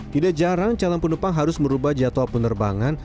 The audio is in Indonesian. tidak jarang calon penumpang harus merubah jadwal penerbangan